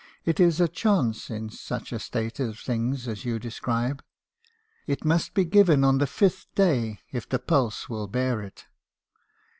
'It is a chance , in such a state of things as you describe. It must be given on the fifth day if the pulse will bear it.